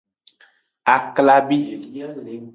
Aklabi.